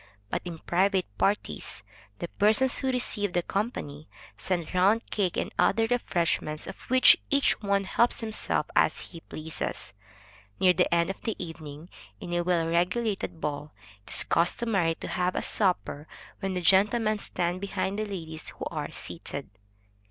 But in private parties, the persons who receive the company, send round cake and other refreshments, of which each one helps himself as he pleases. Near the end of the evening, in a well regulated ball, it is customary to have a supper, when the gentlemen stand behind the ladies who are seated.